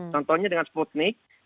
contohnya dengan sputnik